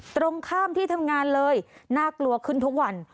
ตรงข้ามที่ทำงานเลยน่ากลัวขึ้นทุกวัน